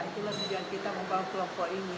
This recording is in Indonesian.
itulah tujuan kita membangun kelompok ini